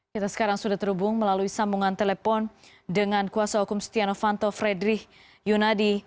kita sekarang sudah terhubung melalui sambungan telepon dengan kuasa hukum setia novanto fredri yunadi